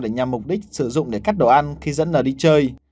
để nhằm mục đích sử dụng để cắt đồ ăn khi dẫn là đi chơi